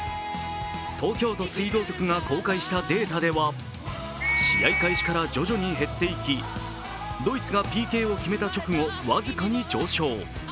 東京都水道局が公開したデータでは試合開始から徐々に減っていき、ドイツがＰＫを決めた直後、僅かに上昇。